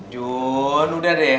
jun udah deh